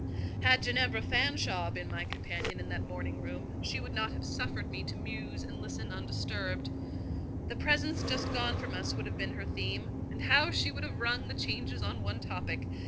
Had Ginevra Fanshawe been my companion in that drawing room, she would not have suffered me to muse and listen undisturbed. The presence just gone from us would have been her theme; and how she would have rung the changes on one topic!